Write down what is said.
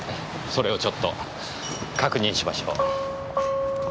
それをちょっと確認しましょう。